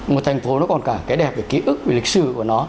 một thành phố nó còn cả cái đẹp về ký ức về lịch sử của nó